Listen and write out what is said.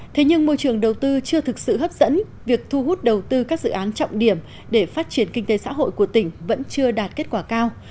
thế nhưng môi trường đầu tư chưa thực sự hấp dẫn việc thu hút đầu tư các dự án trọng điểm để phát triển kinh tế xã hội của tỉnh vẫn chưa đạt kết quả cao